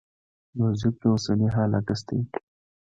موزیک د اوسني حال عکس دی.